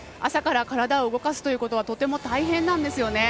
朝から体を動かすのはとても大変なんですよね。